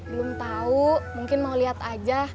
belum tau mungkin mau liat aja